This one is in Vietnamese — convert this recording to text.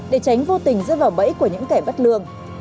để tránh vô tình rơi vào bẫy của những kẻ bắt lương